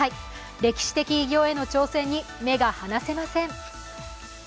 歴史的偉業への挑戦に目が離せません。